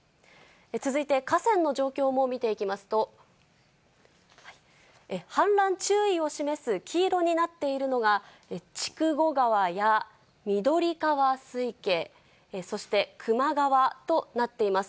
続いて、河川の状況も見ていきますと、氾濫注意を示す黄色になっているのが、筑後川や緑川水系、そして球磨川となっています。